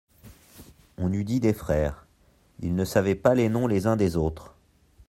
On eût dit des frères ; ils ne savaient pas les noms les uns des autres.